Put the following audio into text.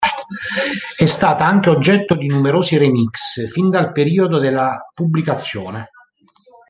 È stata anche oggetto di numerosi remix fin dal periodo della pubblicazione.